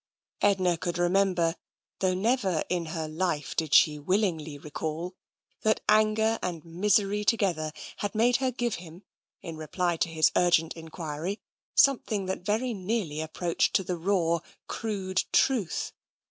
Edna could remember — though never in her life did she willingly recall — that anger and misery together had made her give him, in reply to his urgent enquiry, something that very nearly ap TENSION 141 proached to the raw, crude truth.